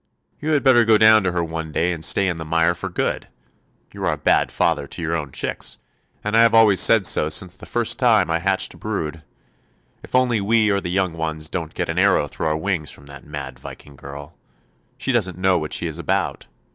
You had better go down to her one day and stay in the mire for good. You are a bad father to your own chicks, and I have always said so since the first time I hatched a brood. If only we or the young ones don't get an arrow through our wings from that mad Viking girl. She doesn't know what she is about.